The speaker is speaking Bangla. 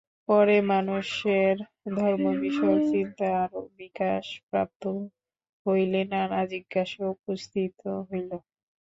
পরে মানুষের ধর্মবিষয়ক চিন্তা আরও বিকাশপ্রাপ্ত হইলে নানা জিজ্ঞাসা উপস্থিত হইল।